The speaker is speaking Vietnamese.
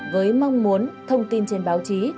với mong muốn thông tin trên báo chí